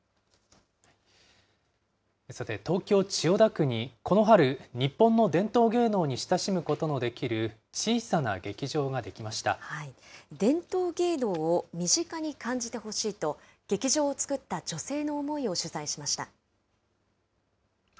さて東京・千代田区にこの春、日本の伝統芸能に親しむことので伝統芸能を身近に感じてほしいと、劇場を作った女性の思いを取材しました。